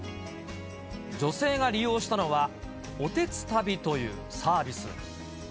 女性が利用したのは、おてつたびというサービス。